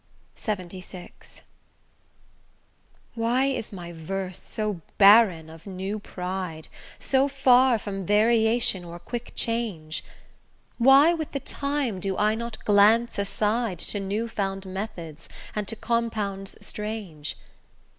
LXXVI Why is my verse so barren of new pride, So far from variation or quick change? Why with the time do I not glance aside To new found methods, and to compounds strange?